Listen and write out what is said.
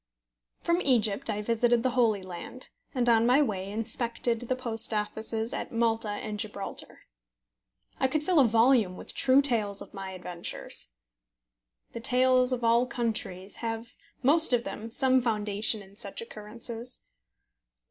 From Egypt I visited the Holy Land, and on my way inspected the Post Offices at Malta and Gibraltar. I could fill a volume with true tales of my adventures. The Tales of All Countries have, most of them, some foundation in such occurrences.